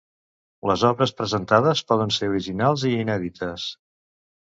Les obres presentades poden ser originals i inèdites.